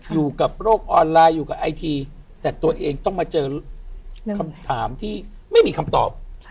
อยู่กับโลกออนไลน์อยู่กับไอทีแต่ตัวเองต้องมาเจอคำถามที่ไม่มีคำตอบ